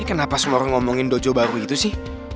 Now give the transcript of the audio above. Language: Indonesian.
ini kenapa semua orang ngomongin dojo baru gitu sih